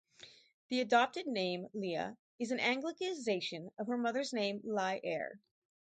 The adopted name "Leah" is an anglicization of her mother's name "Li-Er".